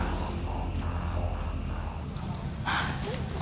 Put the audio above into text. harus kemana lagi aku mencari alina